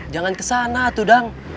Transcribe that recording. jangan kesana tuh dang